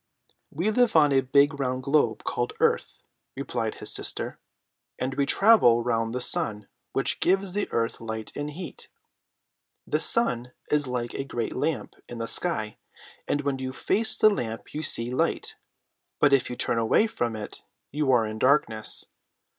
] "We live on a big round globe called Earth," replied his sister, "and we travel round the sun, which gives the earth light and heat. The sun is like a great lamp in the sky, and when you face the lamp you see the light, but if you turn away from it you are in darkness.